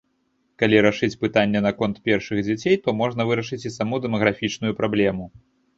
Калі рашыць пытанне наконт першых дзяцей, то можна вырашыць і саму дэмаграфічную праблему!